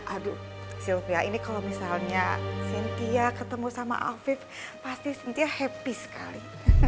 aduh silvia ini kalau misalnya sintia ketemu sama afif pasti cynthia happy sekali